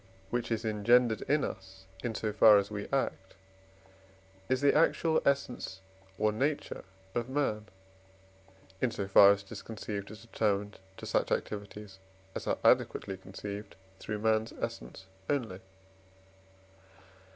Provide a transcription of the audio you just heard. which is engendered in us in so far as we act, is the actual essence or nature of man, in so far as it is conceived as determined to such activities as are adequately conceived through man's essence only (III.